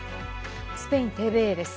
スペインＴＶＥです。